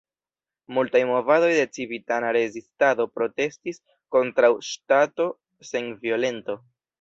Multaj movadoj de civitana rezistado protestis kontraŭ ŝtato sen violento.